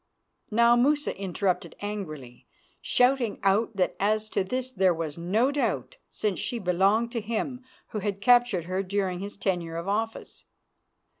Now Musa interrupted angrily, shouting out that as to this there was no doubt, since she belonged to him, who had captured her during his tenure of office.